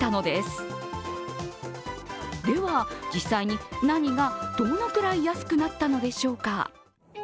では、実際に何がどのくらい安くなったのでしょうか。